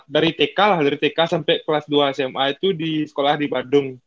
dari tk lah dari tk sampai kelas dua sma itu di sekolah di badung